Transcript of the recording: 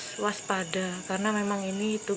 beberapa orang juga sekalian menyeli department